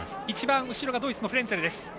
一番後ろがドイツのフレンツェルです。